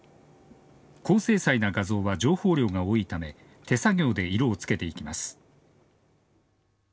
高精細な画像は情報量が多いため手作業で色をつけていきます。